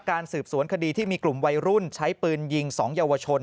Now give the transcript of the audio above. การสืบสวนคดีที่มีกลุ่มวัยรุ่นใช้ปืนยิง๒เยาวชน